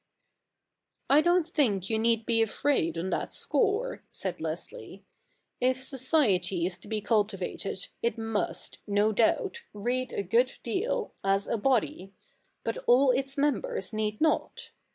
' I don't think you need be afraid on that score,' said Leslie. ' If society is to be cultivated, it must, no doubt, read a good deal, as a body. But all its members need not.